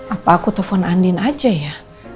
apa aku telpon andin aja ya